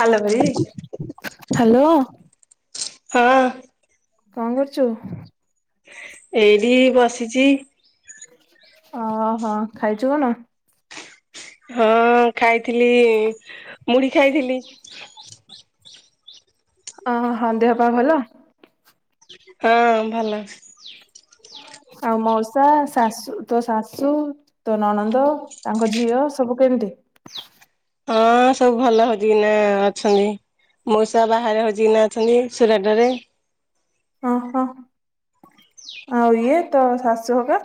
Hello ଭାଇ। Hello ହଁ କଣ କରଚୁ? ଏଇଠି ବସିଚି। ଅହ, ଖାଇଚୁ କଣ? ହଁ ଖାଇଥିଲି। ମୁଢି ଖାଇଥିଲି। ଅହ ଦେହ ପା ଭଲ? ହଁ ଭଲ। ଆଉ ମୋଉସା, ଶାଶୁ, ତୋ ଶାଶୁ ତୋ ନଣନ୍ଦ, ତାଙ୍କ ଝିଅ, ସବୁ କେମତି? ହଁ ସବୁ ଭଲ ହଜିକି ନା ଅଛନ୍ତି। ମୋଉଷା ବାହାରେ ହଜିିକିନା ଅଛନ୍ତି ସୁରାଟରେ। ଅହ, ଆଉ ଇଏ ତୋ ଶାଶୁ ହଗା?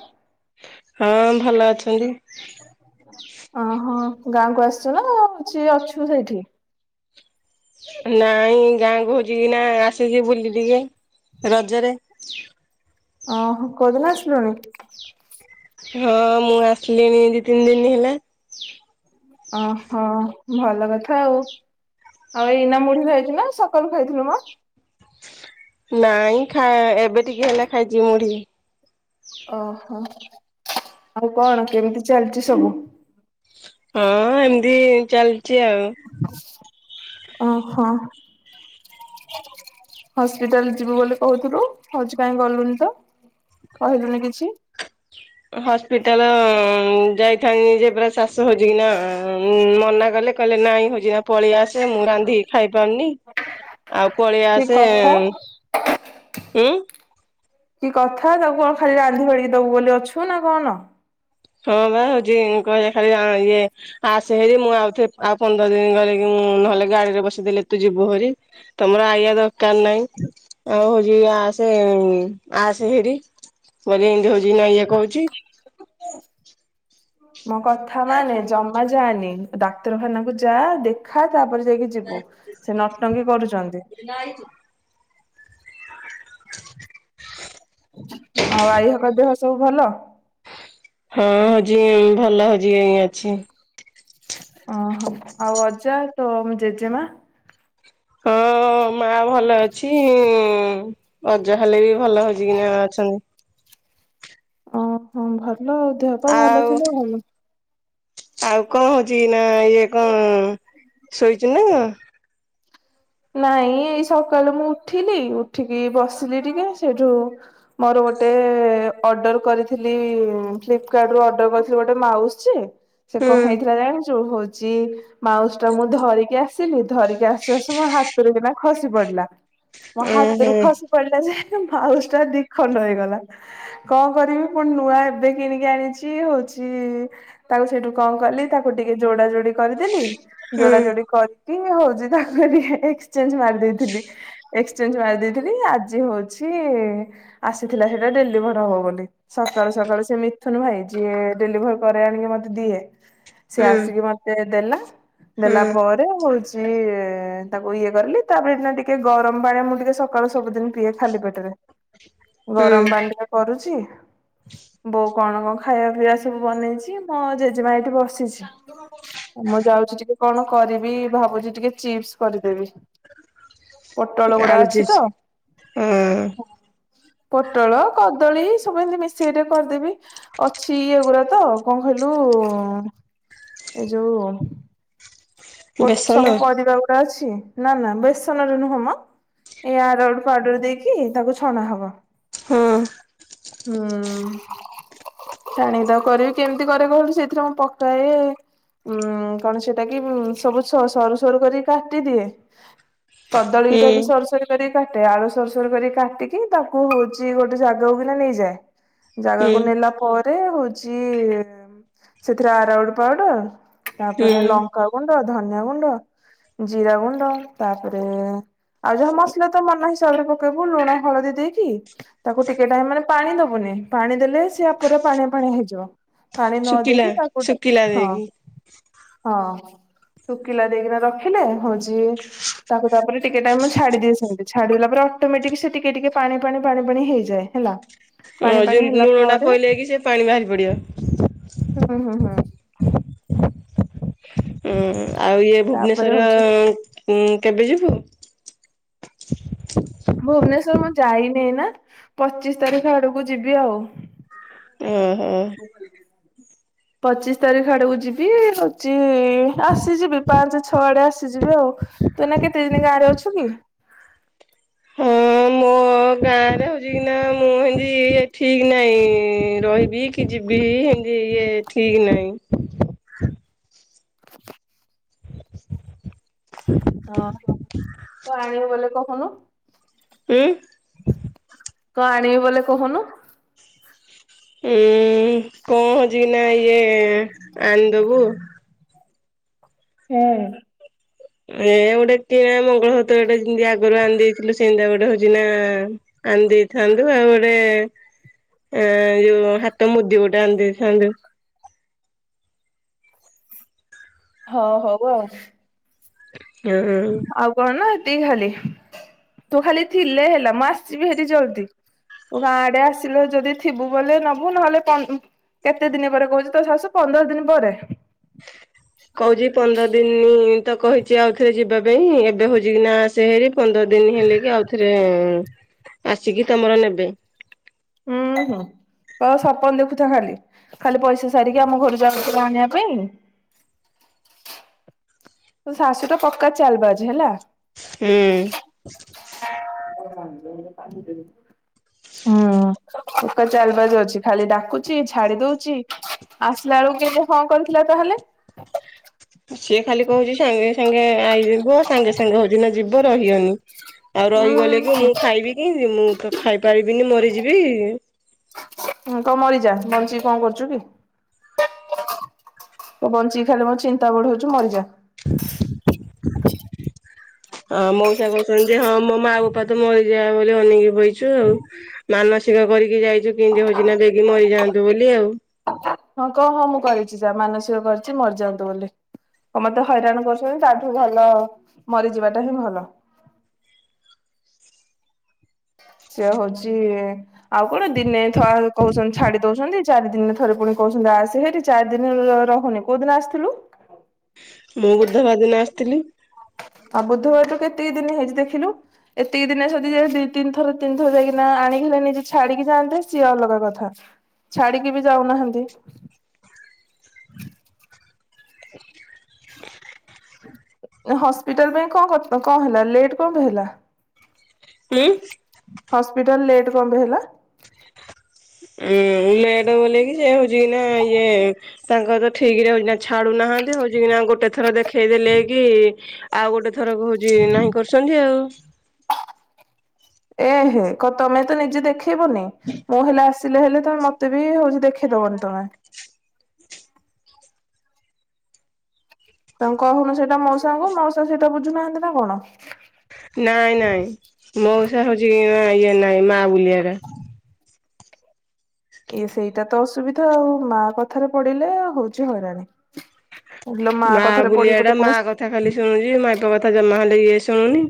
ହଁ ଭଲ ଅଛନ୍ତି। ଅହ ଗାଁକୁ ଆସଚୁ ନା, କଅଁ ସିଏ ଅଛୁ ସେଇଠି? ନାଇଁ ଗାଁ କୁ ହୋଉଚି କିନା ଆସିଚି ବୁଲି ଟିକେ ରଜରେ। ଅହ କୋଉଦିନ ଆସିଲୁଣି? ହଁ ମୁଁ ଆସିଲିଣି ଦି ତିନ ଦିନ ହେଲା। ଅହ ଭଲ କଥା ଆଉ। ଆଉ ଏଇନା ମୁଢି ଖାଇଚୁ ନା ସକାଳୁ ଖାଇଥିଲୁ ମ? ନାଇଁ ଖା ଏବେ ଟିକେ ହେଲା ଖାଇଚି ମୁଢି। ଅହ ଆଉ କଣ କେମିତି ଚାଲିଚି ସବୁ? ହଁ ଏମଦି ଚାଲଚି ଆଉ। ଅହ। ହସ୍ପିଟାଲ ଯିବୁ ବୋଲି କହୁଥିଲୁ ହଚ କଇଁ ଗଲୁନି ତ? କହିଲୁନି କିଛି। ହସ୍ପିଟାଲ ଅମ ଯାଇଥାନ୍ତି ଯେ ପୁରା ଶାଶ ସୋହଜିକିନାଆଁ ଉଁ ମନା କଲେ କଇଲେ ନାଇଁ ହଜିନା ପଳି ଆସେ ମୁଁ ରାନ୍ଧିକି ଖାଇପାରୁନି। ଆଉ ପଳି କି ଆସେ। କଥା ଉଁ କି କଥା ତାଙ୍କୁ କଣ ଖାଲି ରାନ୍ଧି ବଢ଼ିକି ଦବୁ ବୋଲି ଅଛୁ ନା କଣ? ହଁ ବା ହୋଉଚି କଇଲେ ଖାଲି ଆ ଇଏ ଆସେ ହେରି ମୁଁ ଆଉଥଏ ଆଉ ପନ୍ଦର ଦିନ ଗରେ ମୁଁ ନହେଲେ ଗାଡିରେ ବସେଇଦେଲେ ତୁ ଯିବୁ ହରି। ତମର ଆଇଆ ଦରକାର ନାଇଁ, ଆଉ ହୋଉଚି ଆସେ ଆସେ ହେରି। ପରି ଇମିତି ହୋଉଚି ନା ଇଏ କୋଉଚି। ମୋ କଥା ମାନେ ଜମା ଯାଆନି। ଡାକ୍ତରଖାନାକୁ ଯା ଦେଖା ତାପରେ ଯାଇକି ଜ ଯିବୁ। ସେ ନଟଙ୍କି କରୁଚନ୍ତି। ଆଉ ଆଈ ହକା ଦେହ ସବୁ ଭଲ? ହଁ [unintelligible] ଭଲ [unintelligible] ଅଛି। ଅଁ ହଉ ଆଉ ଅଜା, ତୋ ଜେଜେମା? ହଁ ମା ଭଲ ଅଛି ଉଁ। ଅଜା ହେଲେ ବି ଭଲ ହଜିକି ନା ଅଛନ୍ ଅହ ଭଲ ଦେହପା ଭଲ ଆଉ ଥିଲେ ଭଲ। ଆଉ କଣ ହୋଉଚି କି ନା ଇଏ କଣ ଶୋଇଚୁ ନା କଣ? ନାଇଁ ଏଇ ସକାଳୁ ମୁଁ ଉଠିଲି ଉଠିକି ବସିଲି ଟିକେ ସେଇଠୁ ମୋର ଗୋଟେ ଅର୍ଡର କରିଥିଲି ଫ୍ଲିପକାର୍ଟ ରୁ ଅର୍ଡର କରିଥିଲି ଗୋଟେ ମାଉସ ଯେ ସେ କଁ ହୁଁ ହେଇଥିଲା ଜାଣିଚୁ ହୋଚି ମାଉସ ଟା ମୁଁ ଧରିକି ଆସିଲି ଧରିକି ଆସୁଆସୁ ମୋ ହାତରୁ କିନା ଖସି ପଡିଲା ମୋ ହାତରୁ ଉହୁଁ ଖସି ପଡିଲା ଯେ ମାଉସ ଟା ଦିଖଣ୍ଡ ହେଇଗଲା। କଣ କରିବି ପୁଣି ନୂଆ ଏବେ କିଣିକି ଆଣିଛି ହଉଛି ତାକୁ ସେଇଠୁ କଣ କଲି ତାକୁ ଟିକେ ଯୋଡା ଯୋଡି କରିଦେଲି ହୁଁ ଯୋଡା ଯୋଡି କରିକି ହଉଚି ତା କରି ଏକ୍ସଚେଞ୍ଜ ମାରି ଦେଇଥିଲି। ଏକ୍ସଚେଞ୍ଜ ମାରି ଦେଇଥିଲି ଆଜି ହଉଛି ଆସିଥିଲା ସେଇଟା ଡେଲିଭର ହବ ବୋଲି। ସକାଳୁ ସକାଳୁ ସେ ମିଥୁନ ଭାଇ ଯିଏ ଡେଲିଭର କରେ ଆଣିକି ମତେ ଦିଏ ସେ ହୁଁ ଆସିକି ମତେ ଦେଲା। ହୁଁ ଦେଲା ପରେ ହଉଚି ଏଁ ତାକୁ ଇଏ କରିଲି ତାପରେନା ଟିକେ ଗରମ ପାଣି ମୁଁ ଟିକେ ସକାଳୁ ସବୁଦିନ ପିଏ ଖାଲି ପେଟରେ। ଗରମ୍ ହୁଁ ପାଣି ଟିକ କରୁଛି। ବୋଉ କଣ କଣ ଖାଇବା ପିଇବା ସବୁ ବନେଇଛି। ମୋ ଜେଜେମା ଏଇଠି ବସ୍‌ ସିଛି। ମୁଁ ଯାଉଛି ଟିକେ କଣ କରିବି? ଭାବୁଚି ଟିକେ ଚିପ୍ସ କରିଦେବି। ପୋଟଳ ଗୁଡା ଆଳୁ ଅଛି ଚିପ୍ସ। ତ ହଁ। ପୋଟଳ କଦଳୀ ସବୁ ଏମିତି ମିଶେଇଟେ କରିଦେବି। ଅଛି ଇଏଗୁଡା ତ କଣ କହିଲୁ ଏ ଯୋଉ ପୋଟ୍ ବେସନ ସବୁ ପରିବା ଗୁଡା ଅଛି। ନା ନା ବେସନରେ ନୁହଁ ମ। ଏ ଆରାରୁଟ୍ ପାଉଡର୍ ଦେଇକି ତାକୁ ଛଣା ହବ। ହଁ ହୁଁ। ଛାଣିଦ କରେଇ କେମିତି କରେ କହିଲୁ ସେଇଥିରେ ମୁଁ ପକାଏ ଉଁ କଣ ସେଇଟା କି? ଉଁ ସବୁ ସ ସରୁ ସରୁ କରିକି କାଟିଦିଏ ହୁଁ କଦଳୀଟା ବି ସରୁ ସରୁ କରି କାଟେ ଆଳୁ ସରୁସରୁ କରି କାଟିକି ତାକୁ ହଉଚି ଗୋଟେ ଜାଗାକୁ କିନା ନେଇଯାଏ। ହୁଁ ଜାଗାକୁ ନେଲା ପରେ ହଉଚି ଉଁ ସେଥିରେ ଆରାରୁଟ ପାଉଡର୍‌ ତାପରେ ହୁଁ ଲଙ୍କାଗୁଣ୍ଡ, ଧନିଆ ଗୁଣ୍ଡ, ଜିରା ଗୁଣ୍ଡ ତାପରେ ଆଉ ଯାହା ମସଲା ତ ମନ ହିସାବରେ ପକେଇବୁ ଲୁଣ ହଳଦୀ ଦେଇକି ତାକୁ ଟିକେ ଟାଇମ ମାନେ ପାଣି ଦବୁନି ପାଣି ଦେଲେ ସିଏ ପୁରା ପାଣିଆ ପାଣିଆ ହେଇଯିବ। ପାଣି ନ ଶୁଖିଲା ଦେଇକି ତାକୁ ଶୁଖିଲା ଟିକେ ହଁ ଦେଇକି ହଁ। ଶୁଖିଲା ଦେଇକିନା ରଖିଲେ ହଉଚି ତାକୁ ତାପରେ ଟିକେ ଟାଇମ ଛାଡିଦିଏ ସେମିତି। ଛାଡିଦେଲା ପରେ ଅଟୋମେଟିକ ସେ ଟିକେ ଟିକେ ପାଣି ପାଣି ପାଣି ପାଣି ହେଇଯାଏ। ହେଲା। ପାଣି ପାଣି ଓଜନ ଦି ହେଲା ଓଣ୍ଡା ପରେ ପଇଲେ କି ସେ ପାଣି ବାହାରି ପଡିବ। ହୁଁ ହୁଁ ହୁଁ। ହୁଁ। ଆଉ ଇଏ ତାପରେ ଭୁବ‌ନେଶ୍ଵର ହଉଛି ଉଁ କେବେ ଯିବୁ? ଭୁବନେଶ୍ଵର ମୁଁ ଯାଇନି ଏଇନା ପଚିଶ ତାରିଖ ଆଡକୁ ଯିବି ଆଉ। ଉଁ ହୁଁ। ପଚିଶ ତାରିଖ ହେଆଡକୁ ଯିବି ହଉଚି ଆସିଯିବି ପାଞ୍ଚ ଛ ଆଡେ ଆସିଯିବି ଆଉ। ତୁ ଏଇନା କେତେ ଦିନ ଗାଁରେ ଅଛୁ କି? ହଁ ଗାଁ ରେ ହଉଛି କି ନା ମୁଁ ହେନ୍ତି ଏ ଠିକ୍ ନାହିଁ ରହିବି କି ଯିବି ହେନ୍ତି ଇଏ ଠିକ୍ ନାହିଁ। ହଁ କଣ ଆଣିବି ବୋଲେ କହୁନୁ? ଉଁ? କଁ ଆଣିବି ବୋଲେ କହୁନୁ? ଏ କଁ ହଉଚି କିନା ଇଏ ଆଣିଦବୁ। ହୁଁ। ଏ ଗୋଟେ କିଣା ମଙ୍ଗଳସୂତ୍ର ଟେ ଯିମିତି ଆଗରୁ ଆଣିଦେଇଥିଲୁ ସେମିତିଆ ଗୋଟେ ହଉଛି ନା ଆଣିଦେଇଥାନ୍ତୁ ଆଉ ଗୋଟେ ଆଁ ଯୋଉ ହାତ ମୁଦି ଗୋଟେ ଆନ୍‌ଦେଇଥାନ୍ତୁ। ହ ହଉ ଆଉ। ହୁଁ ହୁଁ ଉଁ। ଆଉ କଣ ନା ଏତିକି ଖାଲି ତୁ ଖାଲି ଥିଲେ ହେଲା ମୁଁ ଆସିବି ହାରି ଜଲଦି। ଗାଁ ଆଡେ ଆସିଲେ ଯଦି ଥିବୁ ବୋଲି ନବୁ ନହେଲେ କା କେତେ ଦିନ ପରେ କହୁଛି ତୋ ଶାଶୁ ପନ୍ଦର ଦିନ ପରେ, କହୁଛି ପନ୍ଦର ଦିନ ତ କହିଛି ଆଉଥରେ ଯିବା ପାଇଁ ଏବେ ହଉଛି କି ନା ସେ ହେରି ପନ୍ଦର ଦିନ ହେଲେ କି ଆଉଥରେ ଆସିକି ତମର ନେବେ। ହୁଁ ଉ ହ ସପନ ଦେଖୁଥା ଖାଲି ଖାଲି ପଇସା ସାରିକି ଆମ ଘରୁ ଯାଉଥିଲା ଆଣିବା ପାଇଁ ତୋ ଶାଶୁ ଟା ପକ୍କା ଚାଲ ବାଜି ହେଲା। ହୁଁ। ଭନ୍ଦ କ ହୁଁ ପକା ଚାଲବାଜ ଅଛି ଖାଲି ଡାକୁଚି ଛାଡି ଦଉଛି, ଆସିଲା ବେଳକୁ କି ହଁ କରିଥିଲା ତାହେଲେ, ସିଏ ଖାଲି କହୁଛି ସାଙ୍ଗେ ସାଙ୍ଗେ ଆଇଯିବ ସାଙ୍ଗେ ସାଙ୍ଗେ ହଉଛି ନା ଯିବ ରହିବନି। ଆଉ ରହିଗଲେ କି ମୁଁ ଉଁ ଖାଇବି କି ମୁଁ ତ ଖାଇପାରିବିନି ମରିଯିବି କହ ମରିଯା ବଞ୍ଚିକି କଣ କରୁଛୁ କି? ମୁଁ ବଞ୍ଚିକି ଖାଲି ମୋ ଚିନ୍ତା ବଢଉଛୁ ମରିଯା। [inaudible] ହଁ ମଉସା କହୁଛନ୍ତି ହଁ ମୋ ମା ବୋପା ତ ମରିଯାଏ ବୋଲି ଅନେଇକି ବଇଛୁ ଆଉ, ମାନସିକ କରିକି ଯାଇଛୁ କେମିତି ହଉଛି ନା ବେଗି ମରିଯାଆନ୍ତୁ ବୋଲି ଆଉ, ହଁ କଣ ହଁ ମୁଁ କରିଛି ଯା ମାନସିକ କରିଛି ମରିଯାଆନ୍ତୁ ବୋଲି, ତ ମତେ ହଇରାଣ କରୁଛନ୍ତି ତାଠୁ ଭଲ ମରିଯିବାଟା ହିଁ ଭଲ। ସେ ହଉଛି ଆଉ କଣ ଦିନେ ଥ କହୁଚ ଛାଡି ଦଉଛନ୍ତି ଚାରି ଦିନ ଥରେ ପୁଣି କହୁଛନ୍ତି ଆସେ ହେରି ଚାରି ଦିନ ରହୁନି କୋଉ ଦିନ ଆସିଥିଲୁ? ମୁଁ ବୁଧବାର ଦିନ ଆସିଥିଲି। ଆଉ ବୁଧବାର ତୁ କେତିକି ଦିନ ହେଇଛି ଦେଖିଲୁ, ଏତିକି ଦିନେ ଯଦି ଯ ଦିଇ ତିନି ଥର ତିନିଥର ଯାଇକିନା ଆଣିକି ହେଲେ ନିଜେ ଛାଡିକି ଯାଆନ୍ତେ ସିଏ ଅଲଗା କଥା। ଛାଡିକି ବି ଯାଉନାହାନ୍ତି। [inaudible] ହସ୍ପିଟାଲ ପାଇଁ କଣ କଣ ହେଲା ଲେଟ୍ କଣ ପାଇଁ ହେଲା? ହୁଁ। ହସ୍ପିଟାଲ ଲେଟ୍ କଣ ପାଇଁ ହେଲା? ଉଁ ଲେଟ ବଲିକିି ସେ ହଉଛି କି ନା ଇଏ ତାଙ୍କ ତ ଠିକ୍ ରେ ହଉଛି ନା ଛାଡୁନାହାନ୍ତି ହଉଛି କିନା ଗୋଟେ ଥର ଦେଖେଇ ଦେଲେ କି ଆଉ ଗୋଟେ ଥର କୁ ହଉଛି ନାହିଁ କରୁଛନ୍ତି ଆଉ, ଏ ହେ କ ତମେ ତ ନିଜେ ଦେଖେଇବନି ମୁଁ ହେଲେ ଆସି ଚିଲେ ହେଲେ ତ ମତେ ବି ହଉଚି ଦେଖେଇଦବନି ତମେ। ତାଙ୍କୁ କହୁନୁ ସେଇଟା ମଉସାଙ୍କୁ ମଉସା ସେଇଟା ବୁଝୁନାହାନ୍ତି ନା କଣ? ନାଇଁ ନାଇଁ ମଉସା ହଉଚି ଇଅ ଇଏ ନାଇଁ ମା ବୁଲିଆଟା। ଇଏ ସେଇଟା ତ ଅସୁବିଧା ଆଉ ମା କଥାରେ ପଡ଼ିଲେ ହୋଉଚି ହଇରାଣ। ଇଲୋ ମା କଥାରେ ପଡ଼ି ବୋଲି ପୁଣି ଥା ଖାଲି ଶୁଣୁଚି ମାଇପ କଥା ଜମା ହେଲେ ଇଏ ଶୁଣୁନି।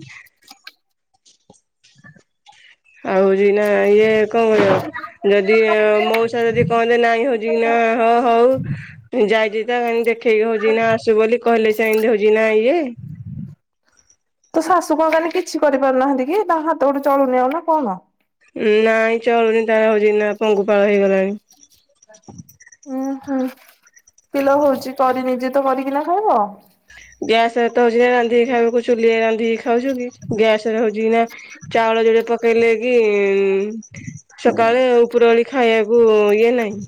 ଆଉ ହୋଉଚି ଏଇନା ଇଏ କଁ କରିଅ? ଯଦି ମଉସା ଯଦି କହନ୍ତେ ନାଇଁ ହଉଚି କି ନାଁ ହଁ ହଉ ଯାଇଚି ତା ଏଁ ଦେଖେଇକି ହୋଉଚି ନା ଆସିବୁ ବୋଲି କହିଲେ ସେ ଏନ୍ତି ହଉଚି ନା ଇଏ। ତୋ ଶାଶୁ କଁ କାନି କିଛି କରି ପାରୁନାହାନ୍ତି କି ତାଙ୍କ ହାତ ଗୋଡ଼ ଚଳୁନେଇ ଆଉ ନା କଣ? ନାଇଁ ଚଳୁନି ତା ହଉଚି କି ନା ପଙ୍ଗୁପାଳ ହେଇଗଲାଣି ଉଁ ହୁଁ ପିଲ ହୋଉଚି କରି ନିଜେ ତ କରିକିନା ଖାଇବ। ଗ୍ୟାସ୍ ରେ ତ ହଉଚି ଯେ ରାନ୍ଧିକି ଖାଇବାକୁ ଚୁଲିରେ ରାନ୍ଧିକି ଖାଉଚୁ କି ଗ୍ୟାସ୍ ରେ ହଉ ଯିନା ଚାଉଳ ଯୋଡ଼େ ପକେଇଲେ କି ଇଁ ସକାଳେ ଉପର ଓଳି ଖାଇବାକୁ ଇଏ ନାଇଁ।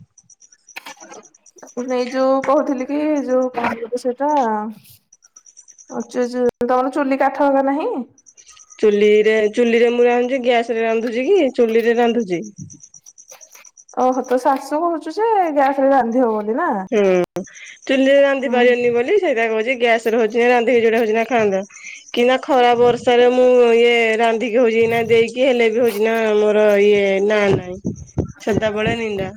ହେଇ ଯୋଉ କହୁଥିଲି କି ଯୋଉ କଁ କୋହୁ ତ ସେଟା ଅଚୁ ଯୋଉ ତମର ଚୁଲି କାଠ ହେକା ନାହିଁ? ଚୁଲିରେ ଚୁଲିରେ ମୁଁ ରାନ୍ଧୁଚି ଗ୍ୟାସ୍ ରେ ରାନ୍ଧୁଚି କି ଚୁଲିରେ ରାନ୍ଧୁଚି। ଓହୋ ତୋ ଶାଶୁ କହୁଚୁ ଯେ ଗ୍ୟାସ୍ ରେ ରାନ୍ଧି ହବ। ହୁଁ ଚୁଲିରେ ରାନ୍ଧି ଉଁ ପାରିବେନି ବୋଲି ସେଇତା କହୁଚି ଗ୍ୟାସ୍ ରେ ହଉଚି ରନ୍ଧିକି ଯୋଉଟା ହଉଚି ନା ଖାଆନ୍ତ। କି ନା ଖରା ବର୍ଷରେ ମୁଁ ଇଏ ରାନ୍ଧି ଇଏ ହୋଉଚି କି ନା ଦେଇକି ହେଲେ ବି ହୋଉଚି ନା ଆମର ଇଏ ନା ନାଇଁ। ସଦାବେଳେ ନିନ୍ଦା।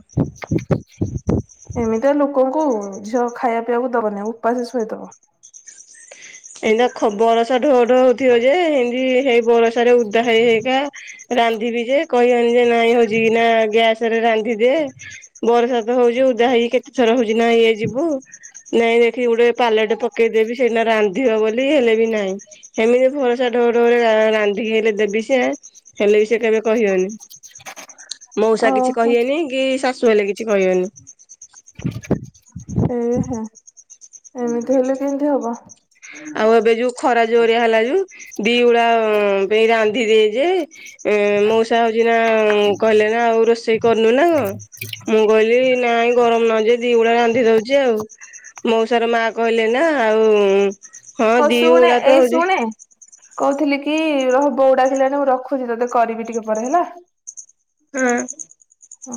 ଏମିତିଆ ଲୋକଙ୍କୁ ଝିଅ ଖାଇବା ପିଇବାକୁ ଦବନି ଉପାସ ଶୁଏଇଦବ। ଏଇନା ଖ ବରଷା ଢୋ ଢୋ ହୋଉଥିବ ଯେ ହେନ୍ତି ହେଇ ବର ସାରେ ଓଦା ହେଇ ହେଇକା ରାନ୍ଧିବି ଯେ କହିବାନି ଯେ ନାଇଁ ହଉଚି ନାଁ ଗ୍ୟାସ୍ ରେ ରାନ୍ଧିଦେ ବରଷା ତ ହୋଉଚି ଓଦା ହେଇକି କେତେ ଥର ହୋଉଚି ନା ଇଏ ଯିବୁ? ନାଇଁ ଦେଖିକି ଗୋଟେ ପାଲଟେ ପକେଇଦେବି ସେଇନ ରାନ୍ଧିବ ବୋଲି ହେଲେ ବି ନାହିଁ। ହେମିତି ଭରସା ଢୋ ଢୋରେ ରା ରାନ୍ଧିକି ହେଲେ ଦେବି ସେ। ହେଲେ ବି ସିଏ କେବେ କହିବେନି। ମଉସା କିଛି ଓହୋ କହିବେନି କି ଶାଶୁ ହେଲେ କିଛି କହିବେନି। ଏହେ ଏମିତି ହେଲେ କେମିତି ହବ? ଆଉ ଏବେ ଯୋଉ ଖରା ଜୋରିଆ ହେଲା ଯୋଉ ଦି ଉଳା ପାଇଁ ରାନ୍ଧିଦିଏ ଯେ ଏ ମଉସା ହଉଚି ନାଁ କହିଲେ ନା ଆଉ ରୋଷେଇ କରିନୁ ନା କଁ? ମୁଁ କହିଲି ନାଇଁ ଗରମ ନାଗୁଚି ଦିଉଳା ରାନ୍ଧି ଦଉଚି ଆଉ। ମଉସାର ମା କହିଲେ ନା ଆଉ ହଁ ଦି ଶୁଣେ ଉଳା ତ ଏଇ ହଉଛି ଶୁଣେ କହୁଥିଲି କି ରହ ବୋଉ ଡାକିଲାଣି ମୁଁ ରଖୁଚି ତତେ କରିବି ଟିକେ ପରେ ହେଲା। ହଁ। ଓ।